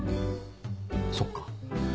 そっか。